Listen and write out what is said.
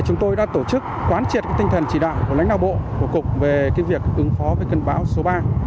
chúng tôi đã tổ chức quán triệt tinh thần chỉ đạo của lãnh đạo bộ của cục về việc ứng phó với cơn bão số ba